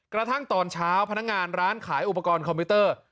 กระทั่งตอนเช้าพนักงานร้านขายอุปกรณ์คอมพิวเตอร์